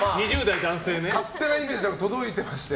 勝手なイメージが届いてまして。